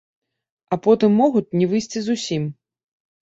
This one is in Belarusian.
А потым могуць не выйсці зусім.